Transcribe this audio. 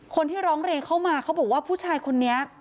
คนที่ร้องเรียนเข้ามาเขาบอกว่าผู้ชายคนนี้